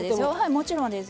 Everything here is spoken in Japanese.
もちろんです。